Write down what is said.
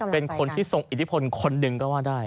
เป็นคนที่ทรงอิทธิพลคนหนึ่งก็ว่าได้